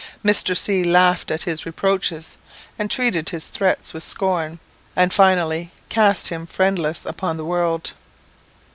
Mr. C laughed at his reproaches, and treated his threats with scorn, and finally cast him friendless upon the world.